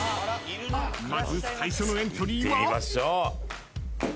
［まず最初のエントリーは？］